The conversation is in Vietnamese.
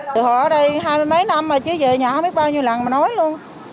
từ họ ở đây hai mươi mấy năm rồi chứ về nhà không biết bao nhiêu lần mà nói luôn